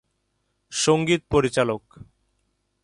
সঙ্গীত পরিচালক